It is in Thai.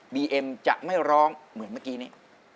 เอ็มจะไม่ร้องเหมือนเมื่อกี้นี้